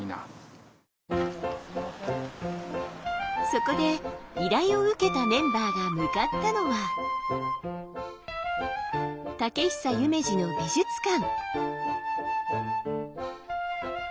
そこで依頼を受けたメンバーが向かったのは竹久夢二の美術館。